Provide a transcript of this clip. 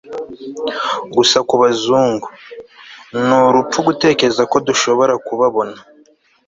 gusa kubazungu. ni ubupfu gutekereza ko dushobora kubabona